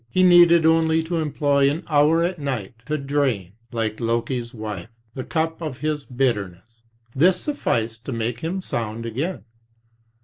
He needed only to employ an hour at night to drain, like Loki's wife, the cup of his bitterness; this sufficed to make him sound again.